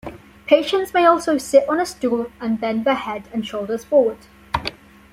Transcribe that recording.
Patients may also sit on a stool and bend their head and shoulders forward.